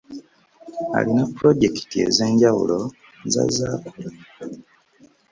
Alina pulojekiti ezenjawulo z'azze akola.